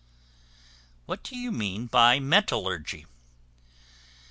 What do you mean by Metallurgy?